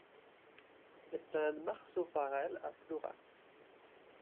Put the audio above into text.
Esplanade Marceau Farelle à Florac